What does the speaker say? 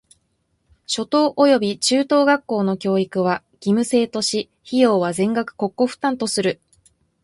初等および中等学校の教育は義務制とし、費用は全額国庫負担とする。